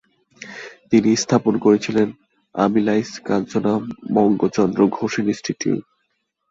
তিনি স্থাপন করেছিলেন আমিলাইষ-কাঞ্চনা বঙ্গচন্দ্র ঘোষ ইনস্টিটিউট।